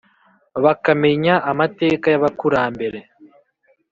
bakamenya amateka y’abakurambere